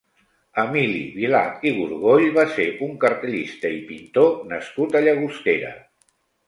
Emili Vilà i Gorgoll va ser un cartellista i pintor nascut a Llagostera.